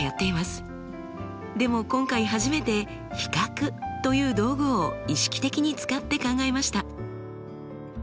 でも今回初めて比較という道具を意識的に使って考えました。